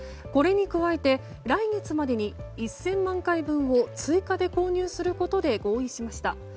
これに加えて来月までに１０００万回分を追加で購入することで合意しました。